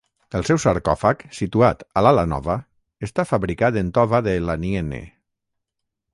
El seu sarcòfag, situat a l'ala nova, està fabricat en tova de l'Aniene.